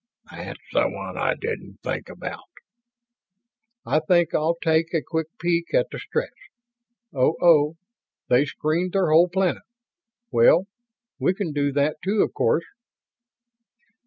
"That's the one I didn't think about." "I think I'll take a quick peek at the Stretts oh oh; they've screened their whole planet. Well, we can do that, too, of course."